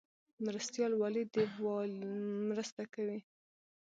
مرستیال والی د والی مرسته کوي